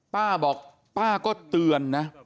ป้าบอกป้าก็เตือนนะ